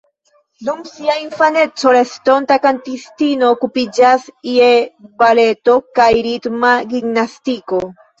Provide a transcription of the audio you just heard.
Dum sia infaneco la estonta kantistino okupiĝas je baleto kaj ritma gimnastiko.